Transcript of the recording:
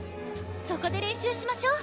そこで練習しましょう？